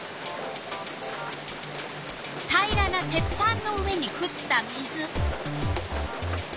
平らな鉄板の上にふった水。